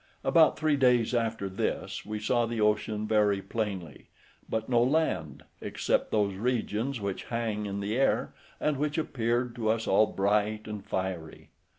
About three days after this, we saw the ocean very plainly, but no land, except those regions which hang in the air, and which appeared to us all bright and fiery.